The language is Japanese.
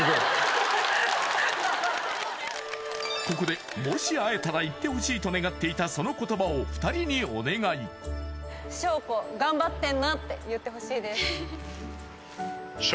ここでもし会えたら言ってほしいと願っていたその言葉を２人にお願いはいっ！